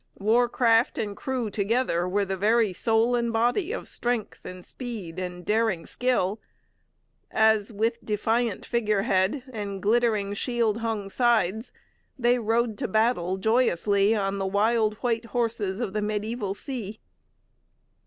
War craft and crew together were the very soul and body of strength and speed and daring skill, as, with defiant figurehead and glittering, shield hung sides, they rode to battle joyously on the wild white horses of the mediaeval sea.